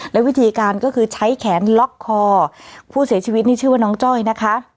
และวิธีการก็คือใช้แขนล็อกคอผู้เสียชีวิตนี่ชื่อว่าน้องจ้อยนะคะ